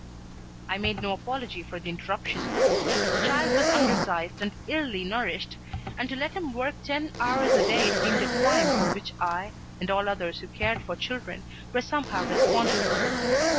I made no apology for the interruption. The child was undersized and illy nourished, and to let him work ten hours a day seemed a crime for which I, and all others who cared for children, were somehow responsible.